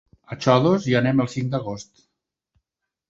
A Xodos hi anem el cinc d'agost.